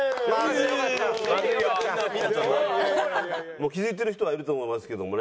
もう気付いてる人はいると思いますけどもね。